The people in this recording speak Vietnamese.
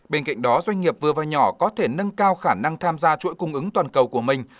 bên cạnh đó doanh nghiệp vừa và nhỏ có thể nâng cao khả năng tham gia chuỗi cung ứng toàn cầu của mình